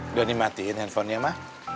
udah dimatiin handphonenya ma